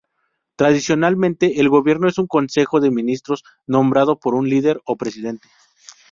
Tradicionalmente, el gobierno es un consejo de ministros nombrado por un líder o presidente.